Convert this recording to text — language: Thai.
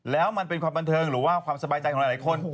แล้วมันเป็นความบันเทิงหรือว่าความสบายใจของหลายคน